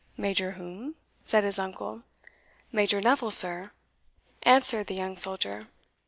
"Major whom?" said his uncle. "Major Neville, sir," answered the young soldier.